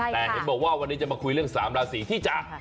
แต่เห็นบอกว่าวันนี้จะมาคุยเรื่อง๓ราศีที่จะ